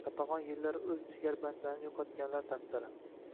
Qatag‘on yillari o‘z jigarbandlarini yo‘qotganlar taqdiri